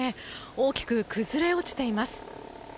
大きく崩れ落ちています。